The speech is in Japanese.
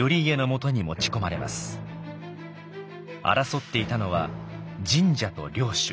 争っていたのは神社と領主。